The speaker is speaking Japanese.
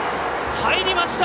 入りました！